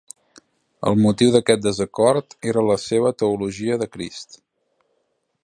El motiu d'aquest desacord era la seva teologia de Crist.